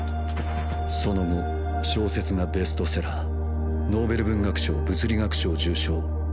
その後小説がベストセラーノーベル文学賞物理学賞受賞